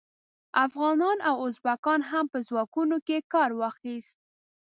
افغانانو او ازبکانو هم په ځواکونو کې کار واخیست.